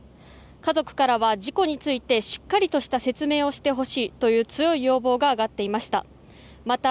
家族からは事故についてしっかりとした説明をしてほしいとの強い要望が挙がっていました。